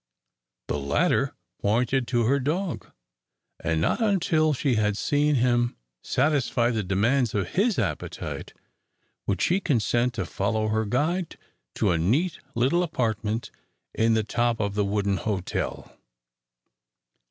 The latter pointed to her dog, and not until she had seen him satisfy the demands of his appetite, would she consent to follow her guide to a neat little apartment in the top of the wooden hotel.